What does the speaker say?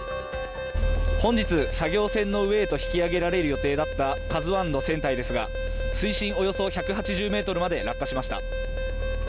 本日、作業船の上へと引き揚げられる予定だった「ＫＡＺＵⅠ」の船体ですが、水深およそ１８０ｍまで落下しました。